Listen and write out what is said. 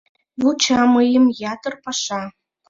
Вуча мыйым ятыр паша.